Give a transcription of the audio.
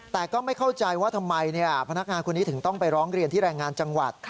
แต่ก็ไม่เข้าใจว่าทำไมพนักงานคนนี้ถึงต้องไปร้องเรียนที่แรงงานจังหวัด